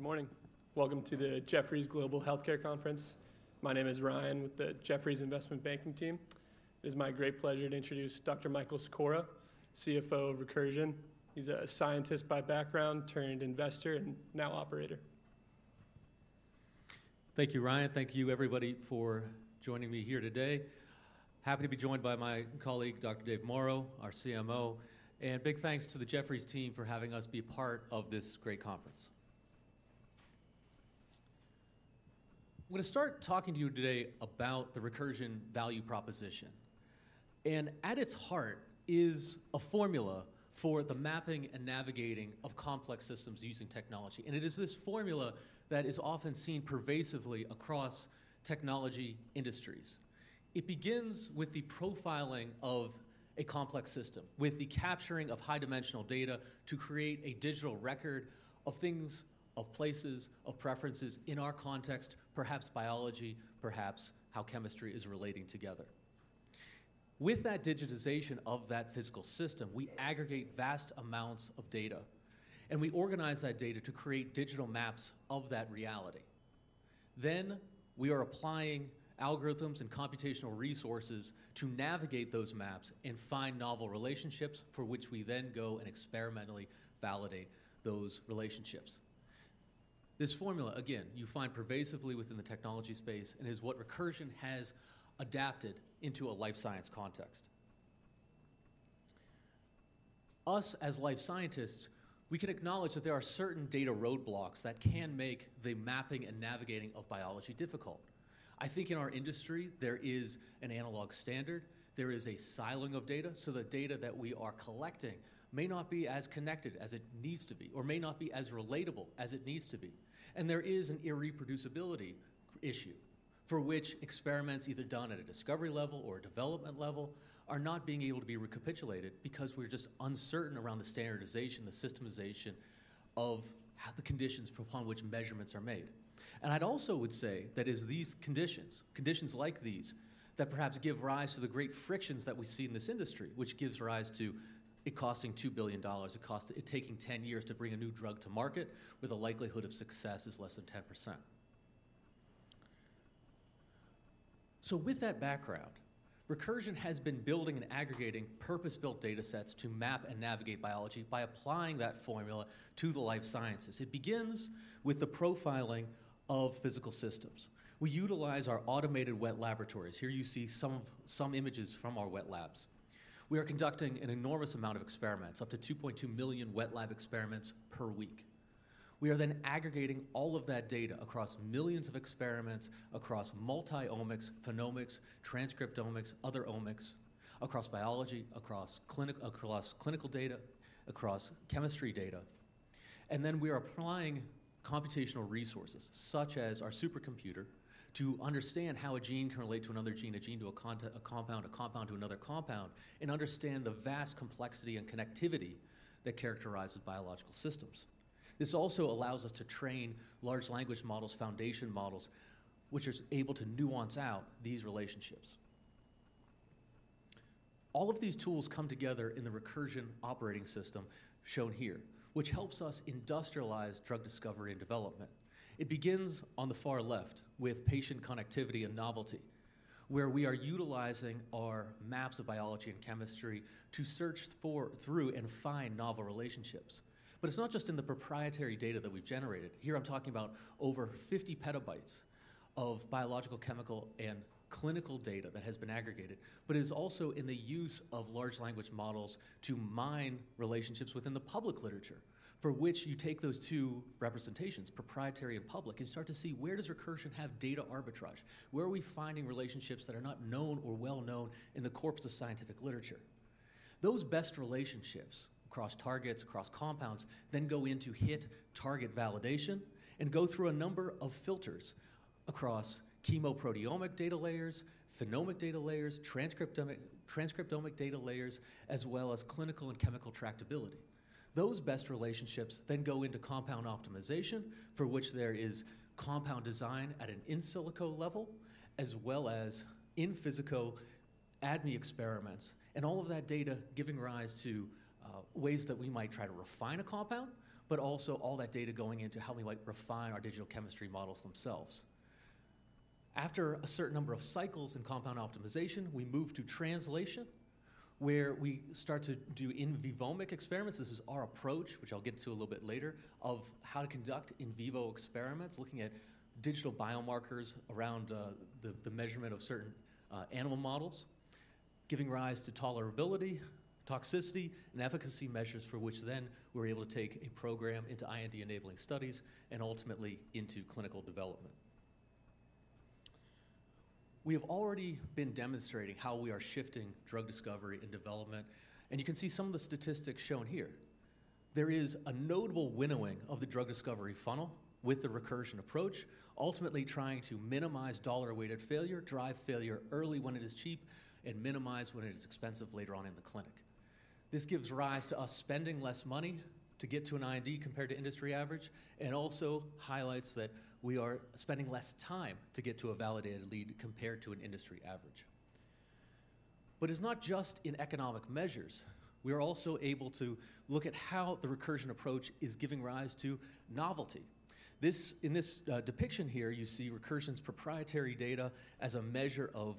Good morning. Welcome to the Jefferies Global Healthcare Conference. My name is Ryan with the Jefferies Investment Banking team. It is my great pleasure to introduce Dr. Michael Secora, CFO of Recursion. He's a scientist by background, turned investor, and now operator. Thank you, Ryan. Thank you, everybody, for joining me here today. Happy to be joined by my colleague, Dr. David Mauro, our CMO, and big thanks to the Jefferies team for having us be part of this great conference. I'm gonna start talking to you today about the Recursion value proposition, and at its heart is a formula for the mapping and navigating of complex systems using technology. It is this formula that is often seen pervasively across technology industries. It begins with the profiling of a complex system, with the capturing of high-dimensional data to create a digital record of things, of places, of preferences in our context, perhaps biology, perhaps how chemistry is relating together. With that digitization of that physical system, we aggregate vast amounts of data, and we organize that data to create digital maps of that reality. Then, we are applying algorithms and computational resources to navigate those maps and find novel relationships for which we then go and experimentally validate those relationships. This formula, again, you find pervasively within the technology space and is what Recursion has adapted into a life science context. Us, as life scientists, we can acknowledge that there are certain data roadblocks that can make the mapping and navigating of biology difficult. I think in our industry there is an analog standard, there is a siloing of data, so the data that we are collecting may not be as connected as it needs to be or may not be as relatable as it needs to be. There is an irreproducibility issue for which experiments, either done at a discovery level or a development level, are not being able to be recapitulated because we're just uncertain around the standardization, the systemization of how the conditions upon which measurements are made. I'd also would say that it's these conditions, conditions like these, that perhaps give rise to the great frictions that we see in this industry, which gives rise to it costing $2 billion, it taking 10 years to bring a new drug to market, where the likelihood of success is less than 10%. So with that background, Recursion has been building and aggregating purpose-built data sets to map and navigate biology by applying that formula to the life sciences. It begins with the profiling of physical systems. We utilize our automated wet laboratories. Here you see some images from our wet labs. We are conducting an enormous amount of experiments, up to 2.2 million wet lab experiments per week. We are then aggregating all of that data across millions of experiments, across multi-omics, phenomics, transcriptomics, other omics, across biology, across clinical data, across chemistry data. And then we are applying computational resources, such as our supercomputer, to understand how a gene can relate to another gene, a gene to a compound, a compound to another compound, and understand the vast complexity and connectivity that characterizes biological systems. This also allows us to train large language models, foundation models, which is able to nuance out these relationships. All of these tools come together in the Recursion Operating System, shown here, which helps us industrialize drug discovery and development. It begins on the far left with patient connectivity and novelty, where we are utilizing our maps of biology and chemistry to search for, through, and find novel relationships. But it's not just in the proprietary data that we've generated. Here, I'm talking about over 50 PB of biological, chemical, and clinical data that has been aggregated, but it is also in the use of large language models to mine relationships within the public literature, for which you take those two representations, proprietary and public, and start to see: where does Recursion have data arbitrage? Where are we finding relationships that are not known or well known in the corpus of scientific literature? Those best relationships across targets, across compounds, then go into hit target validation and go through a number of filters across chemoproteomic data layers, phenomic data layers, transcriptomic, transcriptomic data layers, as well as clinical and chemical tractability. Those best relationships then go into compound optimization, for which there is compound design at an in silico level, as well as in physico ADME experiments, and all of that data giving rise to ways that we might try to refine a compound, but also all that data going into helping, like, refine our digital chemistry models themselves. After a certain number of cycles in compound optimization, we move to translation, where we start to do in vivo mouse experiments. This is our approach, which I'll get to a little bit later, of how to conduct in vivo experiments, looking at digital biomarkers around the measurement of certain animal models, giving rise to tolerability, toxicity, and efficacy measures, for which then we're able to take a program into IND-enabling studies and ultimately into clinical development. We have already been demonstrating how we are shifting drug discovery and development, and you can see some of the statistics shown here. There is a notable winnowing of the drug discovery funnel with the Recursion approach, ultimately trying to minimize dollar-weighted failure, drive failure early when it is cheap, and minimize when it is expensive later on in the clinic. This gives rise to us spending less money to get to an IND compared to industry average and also highlights that we are spending less time to get to a validated lead compared to an industry average. But it's not just in economic measures. We are also able to look at how the Recursion approach is giving rise to novelty. In this depiction here, you see Recursion's proprietary data as a measure of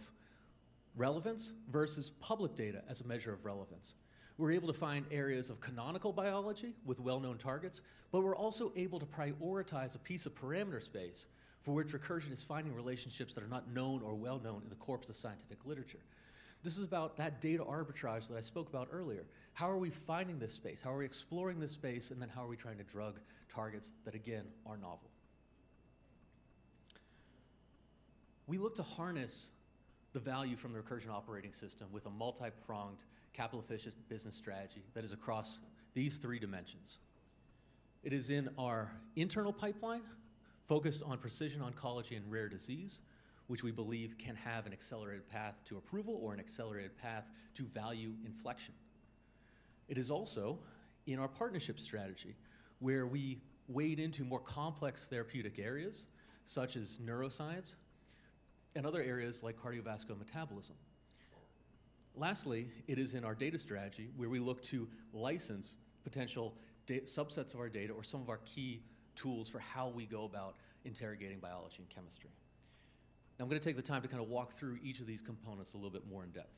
relevance versus public data as a measure of relevance. We're able to find areas of canonical biology with well-known targets, but we're also able to prioritize a piece of parameter space for which Recursion is finding relationships that are not known or well-known in the corpus of scientific literature. This is about that data arbitrage that I spoke about earlier. How are we finding this space? How are we exploring this space, and then how are we trying to drug targets that, again, are novel? We look to harness the value from the Recursion Operating System with a multi-pronged, capital-efficient business strategy that is across these three dimensions. It is in our internal pipeline, focused on precision oncology and rare disease, which we believe can have an accelerated path to approval or an accelerated path to value inflection. It is also in our partnership strategy, where we wade into more complex therapeutic areas such as neuroscience and other areas like cardiovascular metabolism. Lastly, it is in our data strategy, where we look to license potential data subsets of our data or some of our key tools for how we go about interrogating biology and chemistry. Now, I'm gonna take the time to kind of walk through each of these components a little bit more in depth.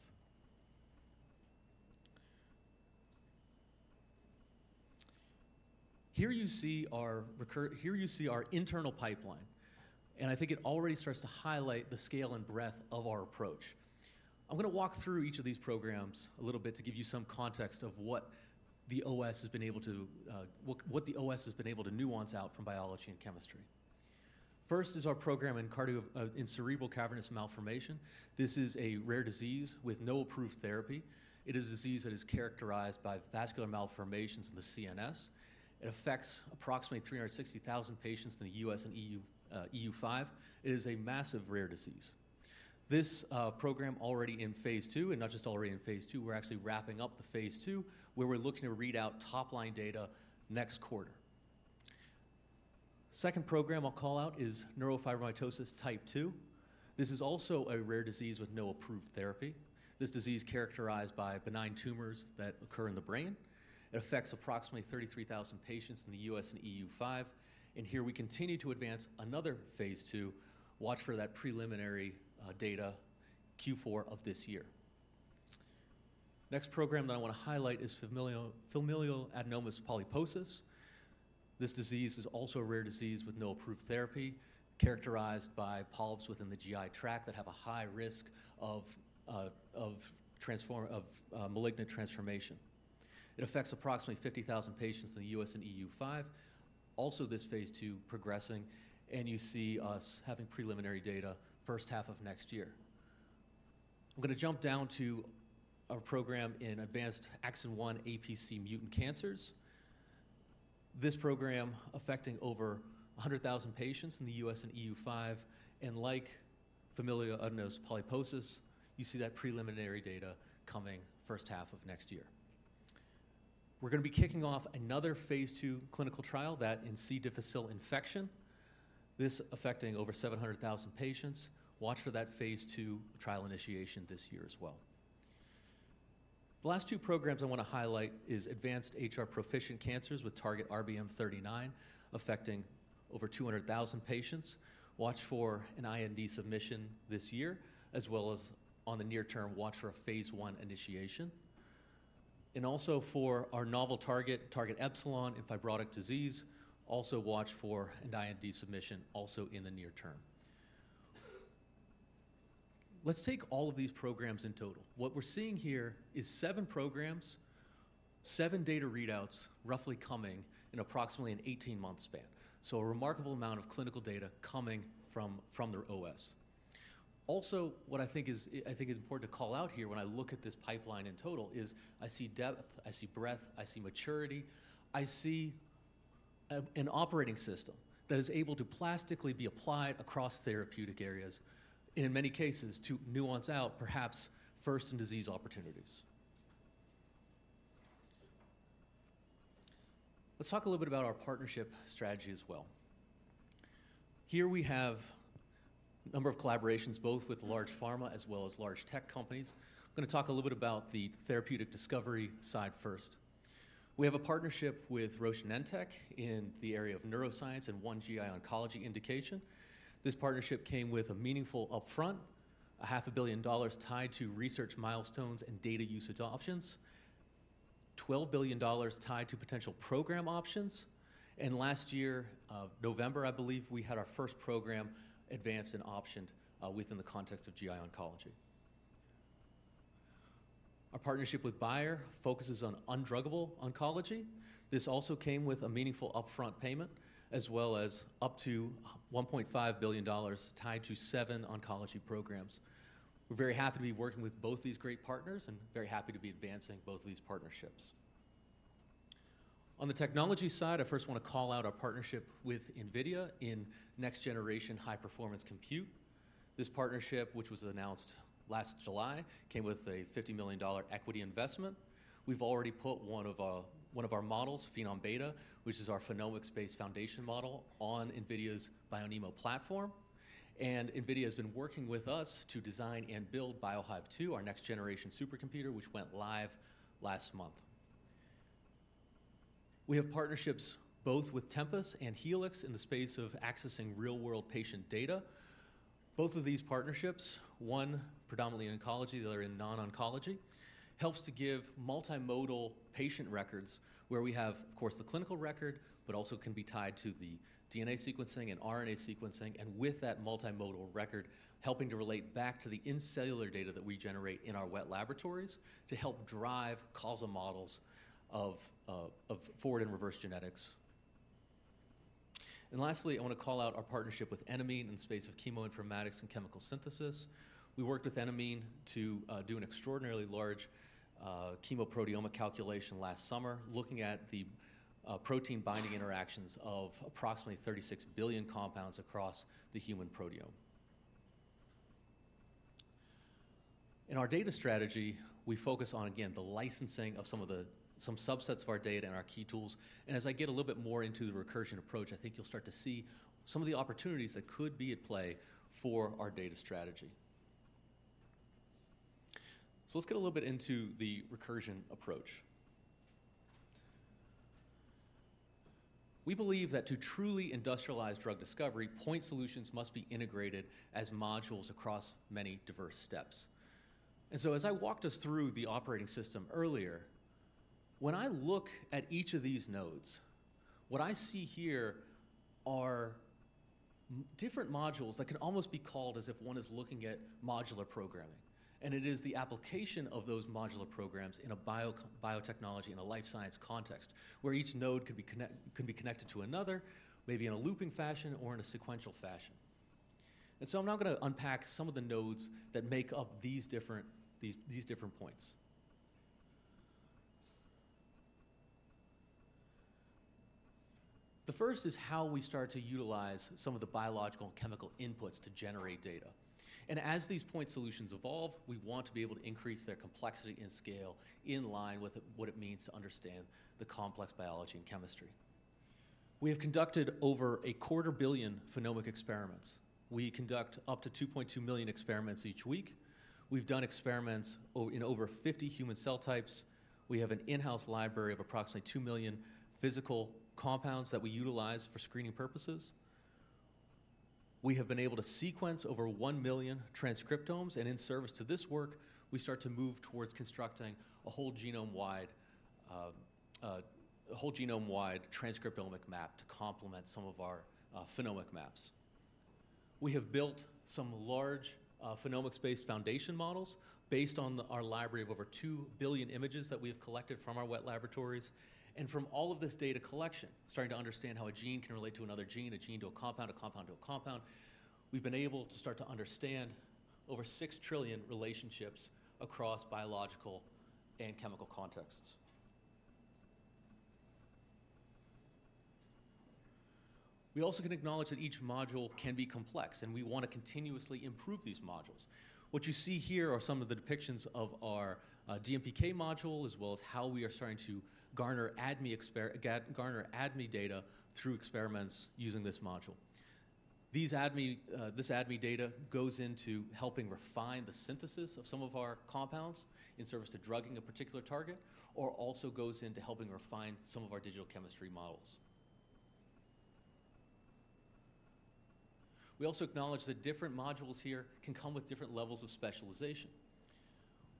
Here you see our internal pipeline, and I think it already starts to highlight the scale and breadth of our approach. I'm gonna walk through each of these programs a little bit to give you some context of what the OS has been able to nuance out from biology and chemistry. First is our program in Cerebral Cavernous Malformation. This is a rare disease with no approved therapy. It is a disease that is characterized by vascular malformations in the CNS. It affects approximately 360,000 patients in the US and EU5. It is a massive rare disease. This program already in phase II, and not just already in phase II, we're actually wrapping up the phase II, where we're looking to read out top-line data next quarter. Second program I'll call out is Neurofibromatosis Type 2. This is also a rare disease with no approved therapy. This disease characterized by benign tumors that occur in the brain. It affects approximately 33,000 patients in the US and EU5, and here we continue to advance another phase II. Watch for that preliminary data Q4 of this year. Next program that I wanna highlight is familial adenomatous polyposis. This disease is also a rare disease with no approved therapy, characterized by polyps within the GI tract that have a high risk of malignant transformation. It affects approximately 50,000 patients in the US and EU5. Also, this phase II progressing, and you see us having preliminary data first half of next year. I'm gonna jump down to our program in advanced AXIN1 APC mutant cancers. This program affecting over 100,000 patients in the US and EU5, and like familial adenomatous polyposis, you see that preliminary data coming first half of next year. We're gonna be kicking off another phase II clinical trial, that in C. difficile infection, this affecting over 700,000 patients. Watch for that phase II trial initiation this year as well. The last two programs I wanna highlight is advanced HR-proficient cancers with target RBM39, affecting over 200,000 patients. Watch for an IND submission this year, as well as on the near term, watch for a phase I initiation. Also for our novel target, Target Epsilon in fibrotic disease, also watch for an IND submission also in the near term. Let's take all of these programs in total. What we're seeing here is 7 programs, 7 data readouts, roughly coming in approximately an 18-month span, so a remarkable amount of clinical data coming from their OS. Also, what I think is important to call out here when I look at this pipeline in total is I see depth, I see breadth, I see maturity. I see an operating system that is able to plastically be applied across therapeutic areas, and in many cases, to nuance out perhaps first-in-disease opportunities. Let's talk a little bit about our partnership strategy as well. Here we have a number of collaborations, both with large pharma as well as large tech companies. I'm gonna talk a little bit about the therapeutic discovery side first. We have a partnership with Roche Genentech in the area of neuroscience and one GI oncology indication. This partnership came with a meaningful upfront, $500 million tied to research milestones and data usage options, $12 billion tied to potential program options, and last year, November, I believe, we had our first program advanced and optioned, within the context of GI oncology. Our partnership with Bayer focuses on undruggable oncology. This also came with a meaningful upfront payment, as well as up to $1.5 billion tied to seven oncology programs. We're very happy to be working with both these great partners and very happy to be advancing both of these partnerships. On the technology side, I first wanna call out our partnership with NVIDIA in next-generation high-performance compute. This partnership, which was announced last July, came with a $50 million equity investment. We've already put one of our, one of our models, Phenom-Beta, which is our phenomics-based foundation model, on NVIDIA's BioNeMo platform. NVIDIA has been working with us to design and build BioHive-2, our next-generation supercomputer, which went live last month. We have partnerships both with Tempus and Helix in the space of accessing real-world patient data. Both of these partnerships, one predominantly in oncology, the other in non-oncology, helps to give multimodal patient records where we have, of course, the clinical record, but also can be tied to the DNA sequencing and RNA sequencing, and with that multimodal record, helping to relate back to the in-cellular data that we generate in our wet laboratories to help drive causal models of, of forward and reverse genetics. Lastly, I want to call out our partnership with Enamine in the space of chemoinformatics and chemical synthesis. We worked with Enamine to do an extraordinarily large chemoproteomic calculation last summer, looking at the protein binding interactions of approximately 36 billion compounds across the human proteome. In our data strategy, we focus on, again, the licensing of some subsets of our data and our key tools. And as I get a little bit more into the Recursion approach, I think you'll start to see some of the opportunities that could be at play for our data strategy. Let's get a little bit into the Recursion approach. We believe that to truly industrialize drug discovery, point solutions must be integrated as modules across many diverse steps. And so as I walked us through the operating system earlier, when I look at each of these nodes, what I see here are many different modules that can almost be called as if one is looking at modular programming. And it is the application of those modular programs in a biotechnology, in a life science context, where each node can be connected to another, maybe in a looping fashion or in a sequential fashion. And so I'm now gonna unpack some of the nodes that make up these different points. The first is how we start to utilize some of the biological and chemical inputs to generate data. And as these point solutions evolve, we want to be able to increase their complexity and scale in line with what it means to understand the complex biology and chemistry. We have conducted over 250 million phenomic experiments. We conduct up to 2.2 million experiments each week. We've done experiments in over 50 human cell types. We have an in-house library of approximately 2 million physical compounds that we utilize for screening purposes. We have been able to sequence over 1 million transcriptomes, and in service to this work, we start to move towards constructing a whole genome-wide, a whole genome-wide transcriptomic map to complement some of our, phenomic maps. We have built some large, phenomics-based foundation models based on the, our library of over 2 billion images that we have collected from our wet laboratories. From all of this data collection, starting to understand how a gene can relate to another gene, a gene to a compound, a compound to a compound, we've been able to start to understand over 6 trillion relationships across biological and chemical contexts. We also can acknowledge that each module can be complex, and we want to continuously improve these modules. What you see here are some of the depictions of our DMPK module, as well as how we are starting to garner ADME data through experiments using this module. These ADME, this ADME data goes into helping refine the synthesis of some of our compounds in service to drugging a particular target, or also goes into helping refine some of our digital chemistry models. We also acknowledge that different modules here can come with different levels of specialization.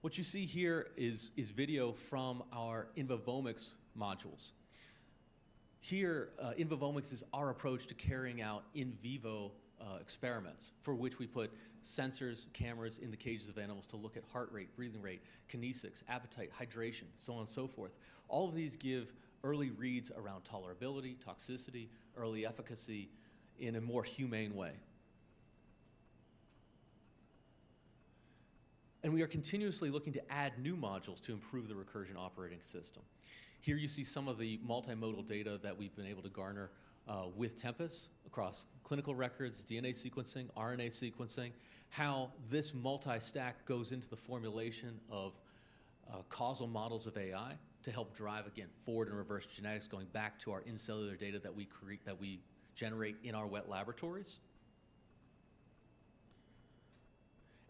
What you see here is video from our InVivomics modules. Here InVivomics is our approach to carrying out in vivo experiments, for which we put sensors, cameras in the cages of animals to look at heart rate, breathing rate, kinesics, appetite, hydration, so on and so forth. All of these give early reads around tolerability, toxicity, early efficacy in a more humane way. We are continuously looking to add new modules to improve the Recursion Operating System. Here you see some of the multimodal data that we've been able to garner with Tempus across clinical records, DNA sequencing, RNA sequencing, how this multi-stack goes into the formulation of causal models of AI to help drive, again, forward and reverse genetics, going back to our intracellular data that we create, that we generate in our wet laboratories.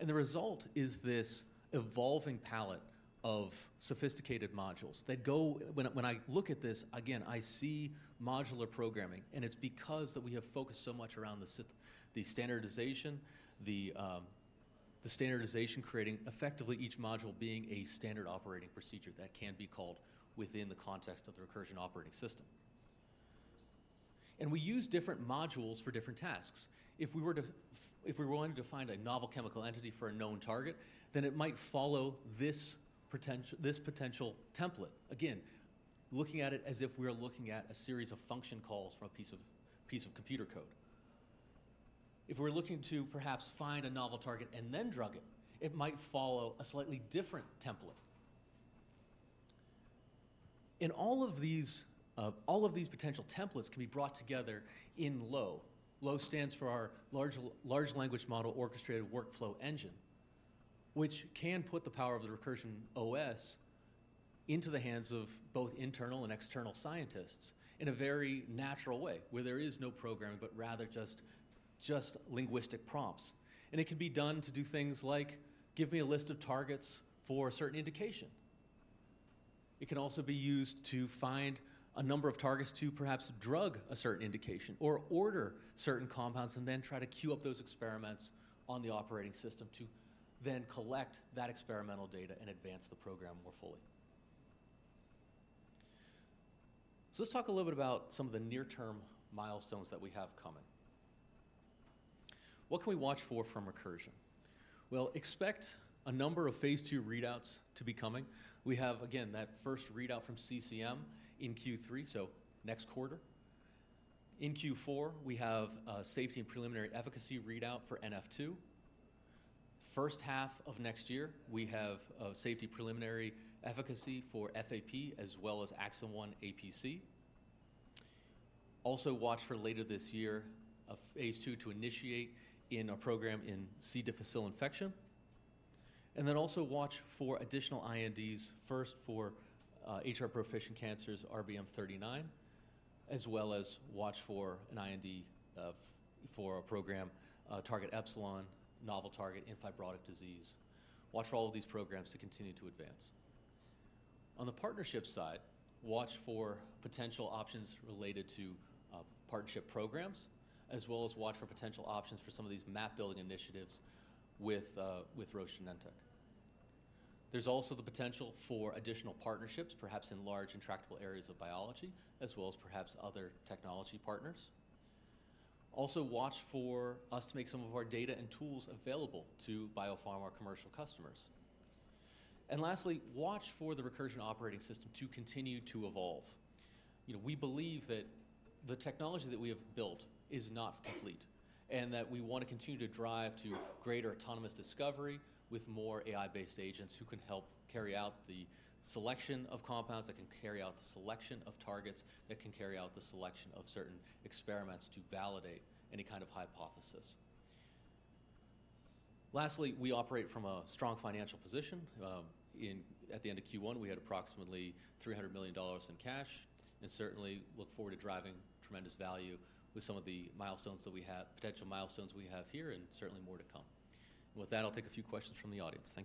The result is this evolving palette of sophisticated modules that go. When I look at this, again, I see modular programming, and it's because we have focused so much around the standardization, the standardization, creating effectively each module being a standard operating procedure that can be called within the context of the Recursion Operating System. We use different modules for different tasks. If we were wanting to find a novel chemical entity for a known target, then it might follow this potential template. Again, looking at it as if we are looking at a series of function calls from a piece of computer code. If we're looking to perhaps find a novel target and then drug it, it might follow a slightly different template. In all of these, all of these potential templates can be brought together in LOWE. LOWE stands for our Large, Large Language Model Orchestrated Workflow Engine, which can put the power of the Recursion OS into the hands of both internal and external scientists in a very natural way, where there is no programming, but rather just linguistic prompts. And it can be done to do things like, give me a list of targets for a certain indication. It can also be used to find a number of targets to perhaps drug a certain indication or order certain compounds, and then try to queue up those experiments on the operating system to then collect that experimental data and advance the program more fully. So let's talk a little bit about some of the near-term milestones that we have coming. What can we watch for from Recursion? Well, expect a number of phase II readouts to be coming. We have, again, that first readout from CCM in Q3, so next quarter. In Q4, we have a safety and preliminary efficacy readout for NF2. First half of next year, we have a safety preliminary efficacy for FAP as well as AXIN1 APC. Also, watch for later this year, a phase II to initiate in a program in C. difficile infection. And then also watch for additional INDs, first for HR-proficient cancers, RBM39, as well as watch for an IND for a program Target Epsilon, novel target in fibrotic disease. Watch for all of these programs to continue to advance. On the partnership side, watch for potential options related to partnership programs, as well as watch for potential options for some of these map-building initiatives with Roche Genentech. There's also the potential for additional partnerships, perhaps in large and tractable areas of biology, as well as perhaps other technology partners. Also, watch for us to make some of our data and tools available to biopharma commercial customers. And lastly, watch for the Recursion Operating System to continue to evolve. You know, we believe that the technology that we have built is not complete, and that we want to continue to drive to greater autonomous discovery with more AI-based agents who can help carry out the selection of compounds, that can carry out the selection of targets, that can carry out the selection of certain experiments to validate any kind of hypothesis. Lastly, we operate from a strong financial position. At the end of Q1, we had approximately $300 million in cash, and certainly look forward to driving tremendous value with some of the milestones that we have, potential milestones we have here, and certainly more to come. With that, I'll take a few questions from the audience. Thank you.